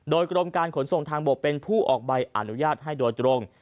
โดยกรมการขนส่งทางบกเป็นผู้ออกใบอนุญาตให้โดยตรง